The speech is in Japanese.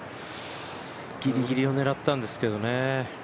ぎりぎりを狙ったんですけどね